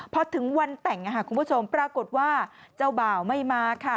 พอถึงวันแต่งคุณผู้ชมปรากฏว่าเจ้าบ่าวไม่มาค่ะ